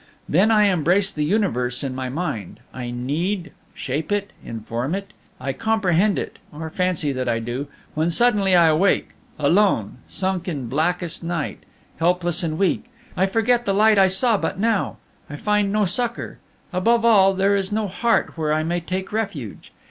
Then I embrace the universe in my mind, I knead, shape it, inform it, I comprehend it or fancy that I do; then suddenly I awake alone, sunk in blackest night, helpless and weak; I forget the light I saw but now, I find no succor; above all, there is no heart where I may take refuge.